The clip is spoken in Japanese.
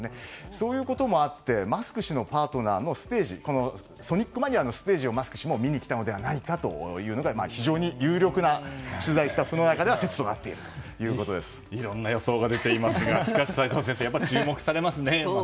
そういうこともあってマスク氏のパートナーのソニックマニアのステージをマスク氏も見に来たのではないかというのが非常に有力な取材スタッフの中ではいろんな予想が出ていますがしかし齋藤先生やはり注目されますね。